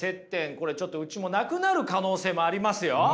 これちょっとうちもなくなる可能性もありますよ。